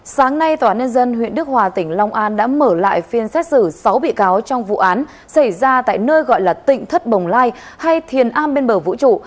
sáng nay tòa án nhân dân huyện đức hòa tỉnh long an đã mở lại phiên xét xử sáu bị cáo trong vụ án xảy ra tại nơi gọi là tịnh thất bồng lai hay thiền a bên bờ vũ trụ